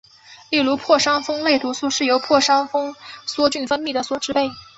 例如破伤风类毒素是由破伤风梭菌分泌的所制备。